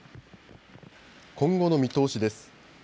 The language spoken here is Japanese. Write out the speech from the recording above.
今後の見通しです。